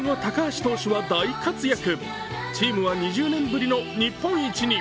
チームは２０年ぶりの日本一に。